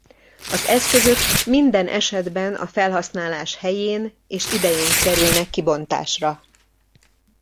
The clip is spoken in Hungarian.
Az eszközök minden esetben a felhasználás helyén és idején kerülnek kibontásra.